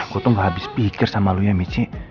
gw toh gak habisi pikir sama lo ya mici